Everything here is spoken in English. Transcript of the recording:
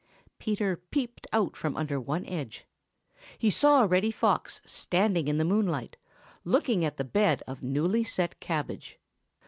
Peter peeped out from under one edge. He saw Reddy Fox standing in the moonlight, looking at the bed of newly set cabbage.